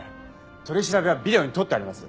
取り調べはビデオに撮ってあります。